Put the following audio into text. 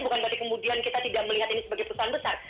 bukan berarti kemudian kita tidak melihat ini sebagai perusahaan besar